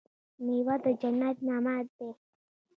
میوه د جنت نعمت دی.